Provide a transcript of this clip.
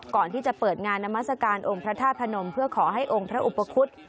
ก่อนที่จะเปิดงานนามัศกาลองค์พระธาตุพนมเพื่อขอให้องค์พระอุปคุฎ